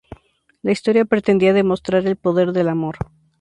La historia pretendía demostrar el poder del amor.